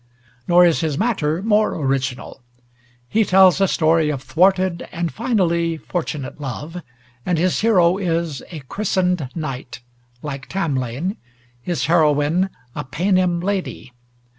Nor is his matter more original. He tells a story of thwarted and finally fortunate love, and his hero is "a Christened knight" like Tamlane, his heroine a Paynim lady.